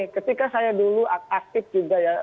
ketika saya dulu aktif juga ya